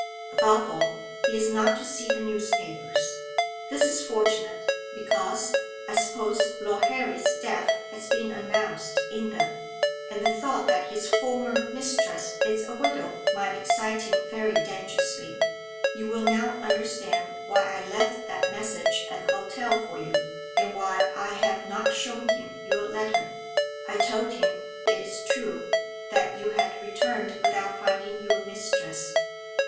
Above all, he is not to see the newspapers. That is fortunate, because, I suppose, Lord Harry's death has been announced in them, and the thought that his former mistress is a widow might excite him very dangerously. You will now understand why I left that message at the hotel for you, and why I have not shown him your letter. I told him, it is true, that you had returned without finding your mistress.